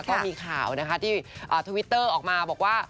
ก็มีข่าวนะคะที่ทวิตเตอร์ออกมาบอกว่า